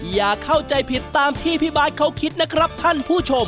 อย่าเข้าใจผิดตามที่พี่บาทเขาคิดนะครับท่านผู้ชม